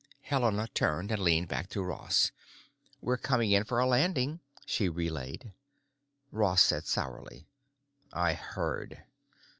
Helena turned and leaned back to Ross. "We're coming in for a landing," she relayed. Ross said sourly, "I heard."